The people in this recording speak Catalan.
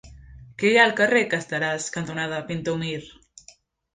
Què hi ha al carrer Casteràs cantonada Pintor Mir?